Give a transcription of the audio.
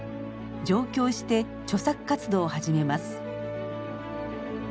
上京して著作活動を始めます。